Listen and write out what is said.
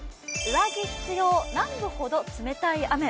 上着必要、南部ほど冷たい雨。